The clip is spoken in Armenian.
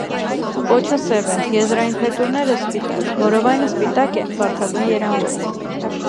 Պոչը սև է, եզրային փետուրները՝ սպիտակ, որովայնը սպիտակ է՝ վարդագույն երանգով։